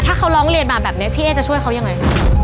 ถ้าเขาร้องเรียนมาแบบนี้พี่เอ๊จะช่วยเขายังไงคะ